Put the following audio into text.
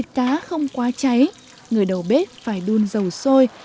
để thịt cá không quá cháy người đầu bếp phải đun dầu sôi